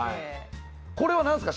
これは何すか？